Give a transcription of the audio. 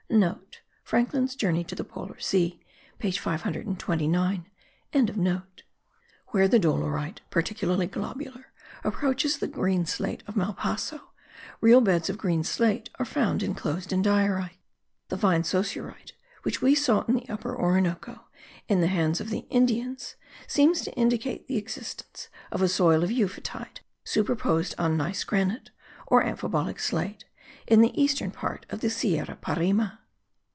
(* Franklin's Journey to the Polar Sea page 529.) Where the diorite, partly globular, approaches the green slate of Malpasso, real beds of green slate are found inclosed in diorite. The fine saussurite which we saw in the Upper Orinoco in the hands of the Indians, seems to indicate the existence of a soil of euphotide, superposed on gneiss granite, or amphibolic slate, in the eastern part of the Sierra Parime.